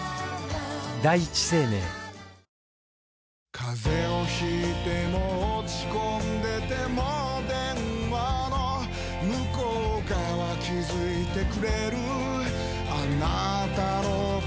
風邪を引いても落ち込んでても電話の向こう側気付いてくれるあなたの声